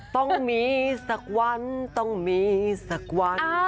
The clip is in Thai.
ต้องมีสักวันต้องมีสักวัน